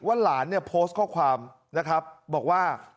หลานเนี่ยโพสต์ข้อความนะครับบอกว่า